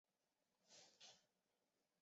普吕尼亚讷。